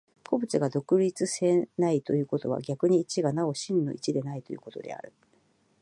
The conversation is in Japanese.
個物が独立せないということは、逆に一がなお真の一でないということである。